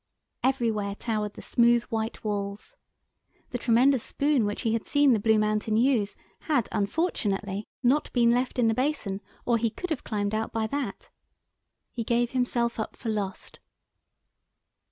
Everywhere towered the smooth white walls. The tremendous spoon which he had seen the Blue Mountain use had, unfortunately, not been left in the basin, or he could have climbed out by that. He gave himself up for lost.